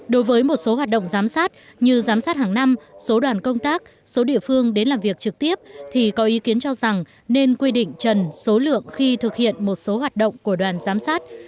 đối với một số hoạt động giám sát như giám sát hàng năm số đoàn công tác số địa phương đến làm việc trực tiếp thì có ý kiến cho rằng nên quy định trần số lượng khi thực hiện một số hoạt động của đoàn giám sát